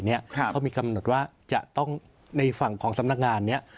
เขามีกำหนดว่าจะต้องในฝั่งของสำนักงานนี้